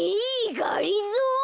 がりぞー！？